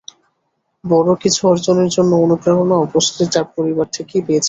বড় কিছু অর্জনের জন্য অনুপ্রেরণা ও প্রস্তুতি তাঁরা পরিবার থেকেই পেয়েছিলেন।